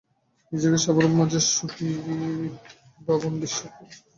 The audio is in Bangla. নিজেকে সবার মাঝে সুখী ভাবুনডিজিটাল বিশ্বে প্রযুক্তির ব্যবহার মানুষকে ঘরে আটকে ফেলছে।